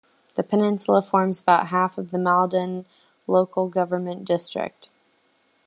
The peninsula forms about half of the Maldon local government district.